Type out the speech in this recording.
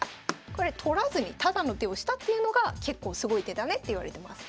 これ取らずにタダの手をしたっていうのが結構すごい手だねっていわれてます。